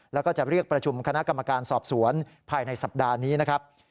แล้วก็จะเรียกประชุมคณะกรรมการสอบสวนภายในสัปดาห์นี้นะครับ